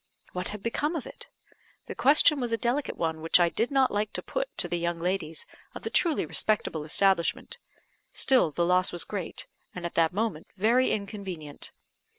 What had become of it? The question was a delicate one, which I did not like to put to the young ladies of the truly respectable establishment; still, the loss was great, and at that moment very inconvenient.